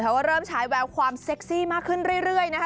ว่าเริ่มใช้แววความเซ็กซี่มากขึ้นเรื่อยนะคะ